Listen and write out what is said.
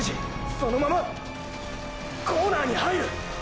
そのまま⁉コーナーに入る！！